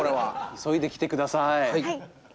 急いで来てください。